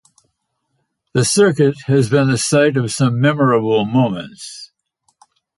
The circuit has been the site of some memorable moments.